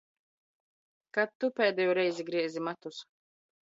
Kad Tu pēdējo reizi griezi matus?